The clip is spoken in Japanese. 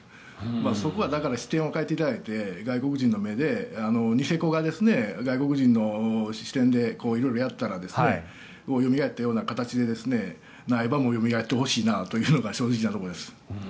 そこを、だから視点を変えていただいて外国人の目でニセコが外国人の視点で色々やったらよみがえったような形で苗場もよみがえってほしいなというのが正直なところです。